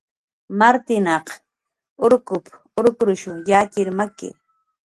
"Martinaq urkup"" urkrushu yatxir maki"